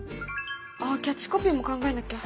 あっキャッチコピーも考えなきゃ。